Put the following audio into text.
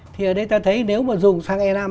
thì ở đây ta thấy nếu mà dùng sang e năm